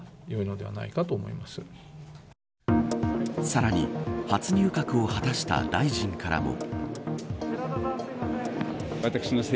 さらに、初入閣を果たした大臣からも。